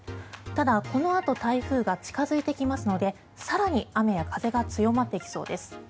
ただ、このあと台風が近付いてきますので更に雨や風が強まってきそうです。